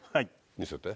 見せて。